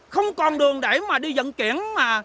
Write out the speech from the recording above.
không còn đường để mà đi dẫn kiển mà